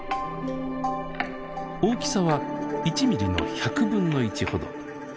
大きさは１ミリの１００分の１ほど。